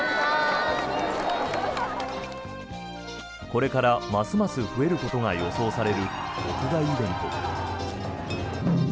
これからますます増えることが予想される屋外イベント。